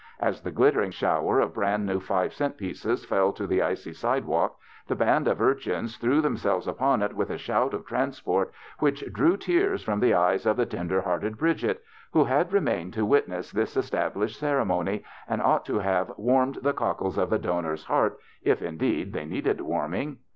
As the glitter ing shower of brand new five cent pieces fell to the icy sidewalk, the band of urchins threw themselves upon it with a shout of transport which drew tears from the eyes of the tender hearted Bridget, who had re mained to witness this established ceremony, and ought to have warmed the cockles of the donor's heart, if indeed they needed warm ing.